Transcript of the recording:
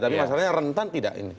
tapi masalahnya rentan tidak ini